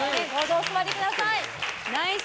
お座りください。